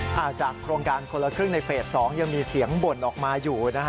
ก็ว่าการคนละครึ่งในในเฟศสองยังมีเสียงบ่นออกมาอยู่นะฮะ